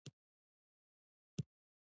پلار د کور مشر او ساتونکی ګڼل کېږي.